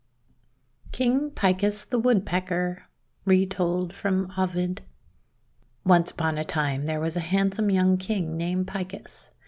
KING PICUS THE WOODPECKER Retold from Ovid ONCE upon a time, there was a handsome young King named Picus.